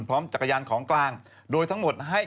พร้อมจักรยานของกลางโดยทั้งหมดให้